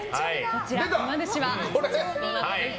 こちら、うま主は？